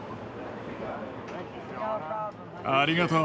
ありがとう。